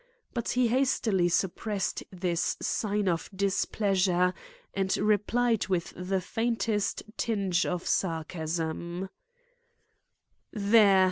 But he hastily suppressed this sign of displeasure and replied with the faintest tinge of sarcasm: "There!